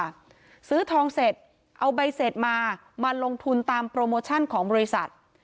ซื้อทองเสร็จเอาใบเสร็จมามาลงทุนตามโปรโมชั่นของบริษัท